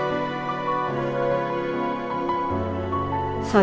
terima kasih mas